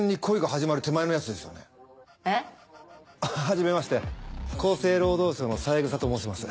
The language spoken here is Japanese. はじめまして厚生労働省の三枝と申します。